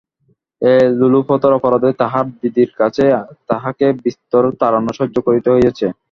এই লোলুপতার অপরাধে তাহার দিদিদের কাছে তাহাকে বিস্তর তাড়না সহ্য করিতে হইয়াছে।